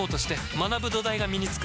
学ぶ土台が身につく